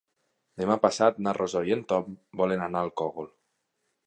Demà passat na Rosó i en Tom volen anar al Cogul.